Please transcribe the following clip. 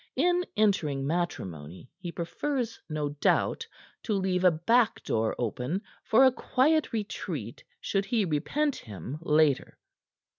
In entering matrimony he prefers, no doubt, to leave a back door open for quiet retreat should he repent him later."